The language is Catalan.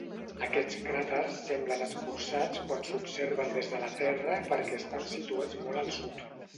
Aquests cràters semblen escorçats quan s'observen des de la Terra perquè estan situats molt al sud.